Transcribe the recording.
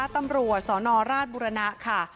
ตำรวจสนราชบุรณะค่ะ